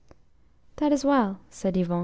"That is well," said Yvon.